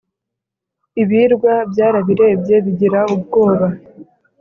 Ibirwa byarabirebye bigira ubwoba,